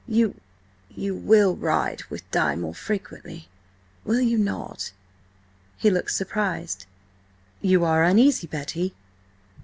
You–you will ride with Di more frequently, will you not?" He looked surprised. "You are uneasy, Betty?"